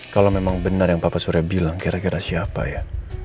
kalau memang benar yang bapak surya bilang kira kira siapa ya